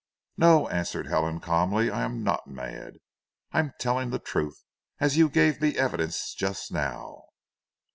"No," answered Helen calmly. "I am not mad, I am telling the truth, as you gave me evidence just now.